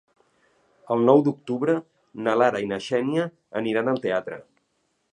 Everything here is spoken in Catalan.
El nou d'octubre na Lara i na Xènia aniran al teatre.